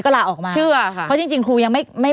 ก็ลาออกมาเชื่อค่ะเพราะจริงครูยังไม่ถึงเกษียณ